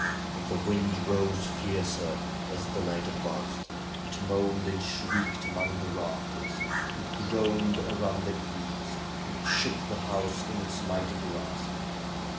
The wind rose fiercer as the night advanced. It moaned and shrieked among the rafters; it groaned around the eaves; it shook the house in its mighty grasp.